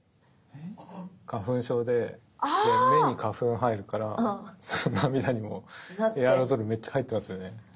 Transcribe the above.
花粉症で目に花粉入るからその涙にもエアロゾルめっちゃ入ってますよね？